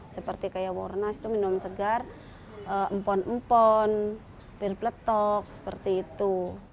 seperti kayak warna minuman segar empon empon bir peletop seperti itu